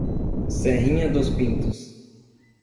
Serrinha dos Pintos